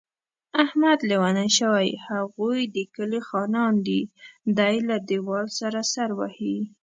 احمد لېونی شوی، هغوی د کلي خانان دي. دی له دېوال سره سر وهي.